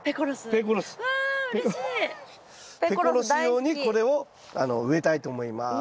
ペコロス用にこれを植えたいと思います。